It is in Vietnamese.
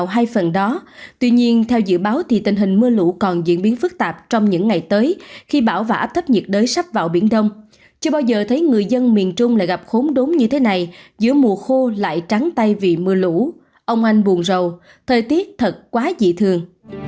hãy đăng kí cho kênh lalaschool để không bỏ lỡ những video hấp dẫn